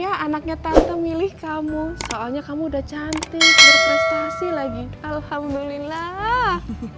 ya anaknya tante milih kamu soalnya kamu udah cantik berprestasi lagi alhamdulillah